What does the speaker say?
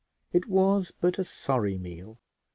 It was but a sorry meal.